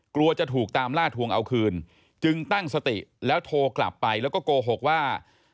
กลัวจะถูกตามล่าทวงเอาคืนจึงตั้งสติแล้วโทรกลับไปแล้วก็โกหกว่า